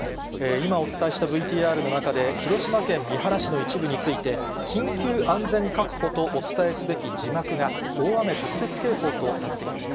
今、お伝えしたＶＴＲの中で、広島県三原市の一部について、緊急安全確保とお伝えすべき字幕が、大雨特別警報となっていました。